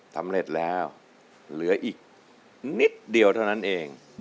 สำเร็จแล้วเหลืออีกนิดเดียวเท่านั้นเอง